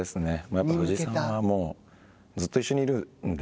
やっぱり藤井さんはずっと一緒にいるんで。